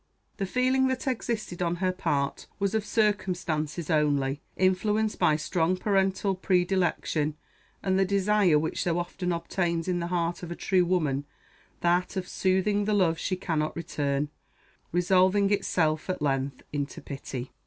The feeling that existed on her part was of circumstances only, influenced by strong parental predilection, and the desire which so often obtains in the heart of a true woman that of soothing the love she cannot return, resolving itself at length into pity.